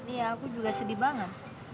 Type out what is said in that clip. ya aku juga sedih banget